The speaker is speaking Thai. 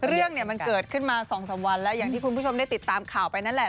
เรื่องเนี่ยมันเกิดขึ้นมา๒๓วันแล้วอย่างที่คุณผู้ชมได้ติดตามข่าวไปนั่นแหละ